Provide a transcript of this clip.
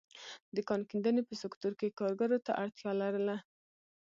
د کان کیندنې په سکتور کې کارګرو ته اړتیا لرله.